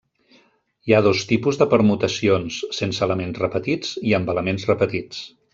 Hi ha dos tipus de permutacions, sense elements repetits i amb elements repetits.